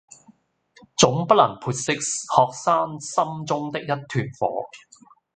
總不能潑熄學生心中的一團火